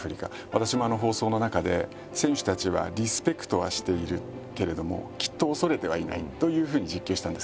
私もあの放送の中で「選手たちはリスペクトはしているけれどもきっと恐れてはいない」というふうに実況したんですけど